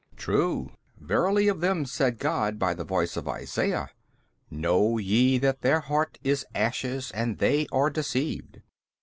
B. True, verily of them said God by the voice of Isaiah, Know ye that their heart is ashes and they are deceived.